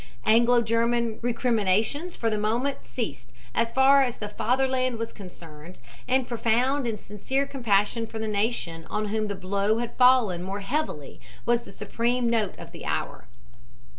Anglo German recriminations for the moment ceased, as far as the Fatherland was concerned, and profound and sincere compassion for the nation on whom the blow had fallen more heavily was the supreme note of the hour.